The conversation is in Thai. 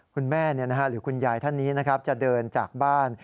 คุณแม่หรือคุณยายท่านนี้นะครับจะเดินจากบ้าน